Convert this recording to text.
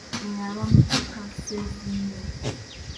Oyo aba mutaka Ssezinnyo.